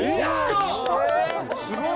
すごい！